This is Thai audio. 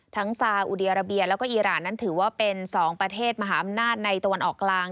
ซาอุดีอาราเบียแล้วก็อีรานนั้นถือว่าเป็น๒ประเทศมหาอำนาจในตะวันออกกลาง